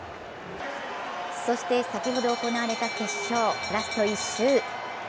そして、先ほど行われた決勝、ラスト１周。